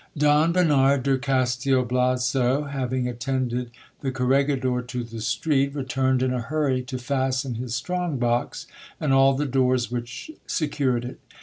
Don Bernard de Castil Blazo, having attended the corregidor to the street, r ^turned in a hurry to fasten his strong box, and all the doors which secured it.